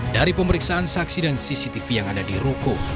dari pemeriksaan saksi dan cctv yang ada di ruko